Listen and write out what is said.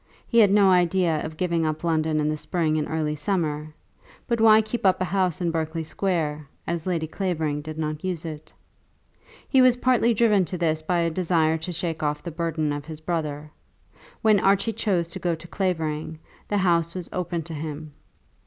He had no idea of giving up London in the spring and early summer. But why keep up a house in Berkeley Square, as Lady Clavering did not use it? He was partly driven to this by a desire to shake off the burden of his brother. When Archie chose to go to Clavering the house was open to him.